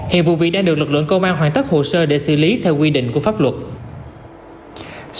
hiện vụ việc đang được lực lượng công an hoàn tất hồ sơ để xử lý theo quy định của pháp luật